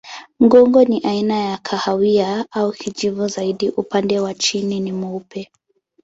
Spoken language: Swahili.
Mgongo ni aina ya kahawia au kijivu zaidi, upande wa chini ni mweupe.